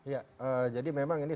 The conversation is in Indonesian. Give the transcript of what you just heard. ya jadi memang ini